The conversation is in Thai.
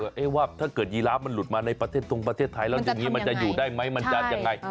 ว่าถ้าเกิดยีราฟมันหลุดมาในประเทศตรงประเทศไทยแล้วอย่างนี้มันจะอยู่ได้ไหมมันจะยังไง